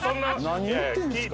「何言ってるんですか？」